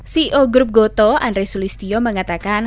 ceo grup goto andres ulistio mengatakan